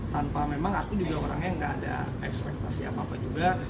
tanpa memang aku juga orangnya gak ada ekspektasi apa apa juga